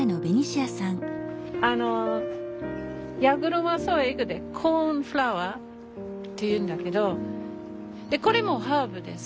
あの矢車草英語でコーンフラワーっていうんだけどこれもハーブですよ。